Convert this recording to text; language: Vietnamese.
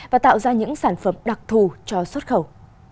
và tạo ra những sản phẩm đặc thù cho xuất khẩu